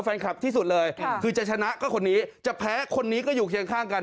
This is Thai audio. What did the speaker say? แฟนคลับที่สุดเลยคือจะชนะก็คนนี้จะแพ้คนนี้ก็อยู่เคียงข้างกัน